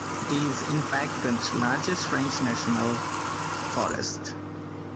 It is in fact the largest French national forest.